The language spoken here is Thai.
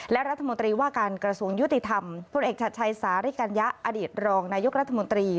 และรัฐมนตรีว่าการกระทรวงยุติธรรมพลเอกชัดชัยสาริกัญญะอดีตรองนายกรัฐมนตรี